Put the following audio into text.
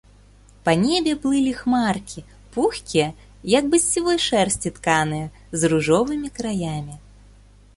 Па небе плылі хмаркі, пухкія, як бы з сівой шэрсці тканыя, з ружовымі краямі.